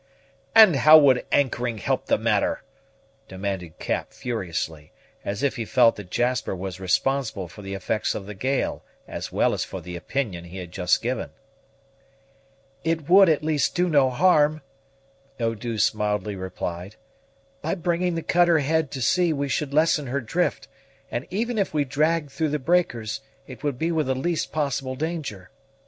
"And how would anchoring help the matter?" demanded Cap furiously, as if he felt that Jasper was responsible for the effects of the gale, as well as for the opinion he had just given. "It would at least do no harm," Eau douce mildly replied. "By bringing the cutter head to sea we should lessen her drift; and even if we dragged through the breakers, it would be with the least possible danger.